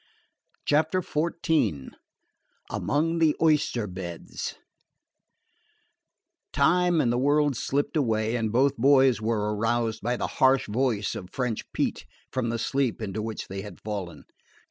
CHAPTER XIV AMONG THE OYSTER BEDS Time and the world slipped away, and both boys were aroused by the harsh voice of French Pete from the sleep into which they had fallen.